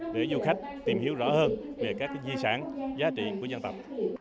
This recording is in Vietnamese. để du khách tìm hiểu rõ hơn về các di sản giá trị của dân tộc